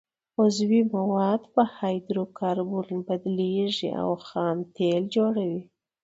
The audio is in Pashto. عضوي مواد په هایدرو کاربن بدلیږي او خام تیل جوړوي